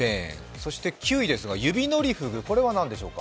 そして９位、指のりふぐ、これは何でしょうか？